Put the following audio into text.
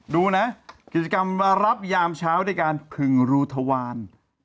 ดูนะกิจกรรมรับยามเช้าด้วยการผึ่งรูทวาร